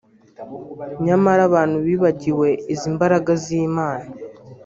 Nyamara abantu bibagiwe izi mbaraga z’Imana